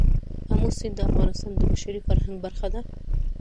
آمو سیند د افغانستان د بشري فرهنګ برخه ده.